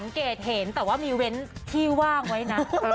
เกตเห็นแต่ว่ามีเว้นที่ว่างไว้นะ